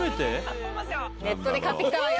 ネットで買ってきたわよ。